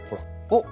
おっ！